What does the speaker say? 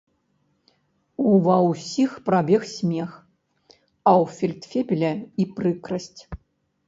Ува ўсіх прабег смех, а ў фельдфебеля і прыкрасць.